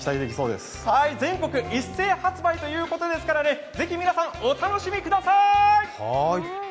全国一斉発売ということですからぜひ皆さんお楽しみください。